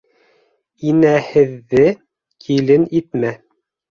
Инәһеҙҙе килен итмә.